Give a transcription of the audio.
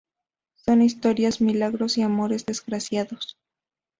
Son historias, milagros y amores desgraciados.